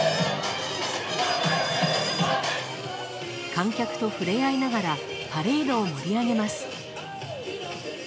観客と触れ合いながらパレードを盛り上げます。